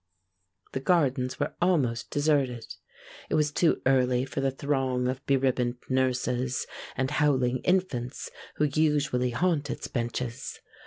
The gardens were almost deserted. It was too early for the throng of beribboned nurses and howling infants who usually haunt its benches.